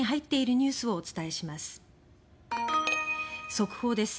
速報です。